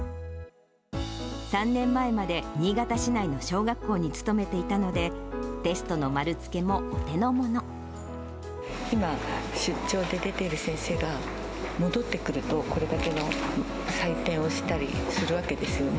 ３年前まで新潟市内の小学校に勤めていたので、今、出張で出ている先生が戻ってくると、これだけの採点をしたりするわけですよね。